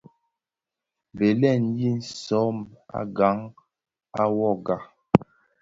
Bèleg yi sóm à gang à wogà.